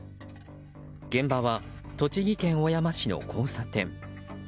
現場は、栃木県小山市の交差点。